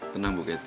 tenang bu kety